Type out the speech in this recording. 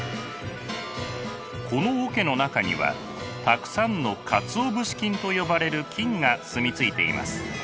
この桶の中にはたくさんのかつお節菌と呼ばれる菌が住み着いています。